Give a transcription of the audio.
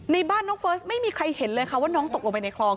ในบ้านน้องเฟิร์สไม่มีใครเห็นเลยค่ะว่าน้องตกลงไปในคลอง